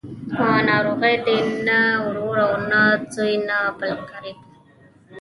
په ناروغۍ دې نه ورور او نه زوی او نه بل قريب.